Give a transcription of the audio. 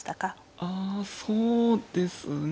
ああそうですね。